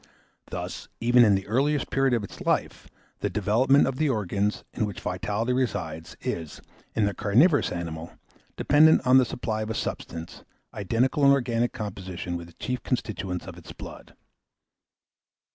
Thus, even in the earliest period of its life, the development of the organs, in which vitality resides, is, in the carnivorous animal, dependent on the supply of a substance, identical in organic composition with the chief constituents of its blood.